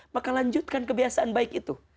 maka lanjutkan kebiasaan baik itu